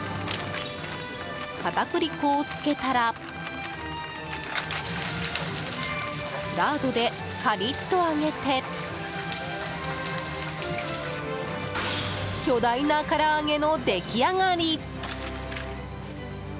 片栗粉をつけたらラードでカリッと揚げて巨大な唐揚げの出来上がり！